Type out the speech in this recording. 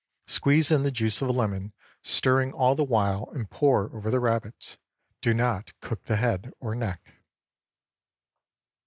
Squeeze in the juice of a lemon, stirring all the while, and pour over the rabbits. Do not cook the head or neck.